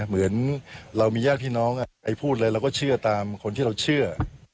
เหมือนเรามีญาติพี่น้องพูดอะไรเราก็เชื่อตามคนที่เราเชื่อ